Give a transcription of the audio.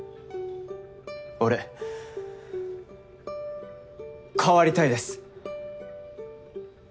俺変わりたいです。